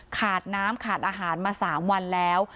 ขาดน้ำขาดอาหารมา๓วันแล้ว